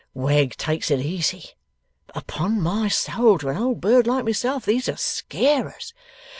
Wegg takes it easy, but upon my soul to a old bird like myself these are scarers.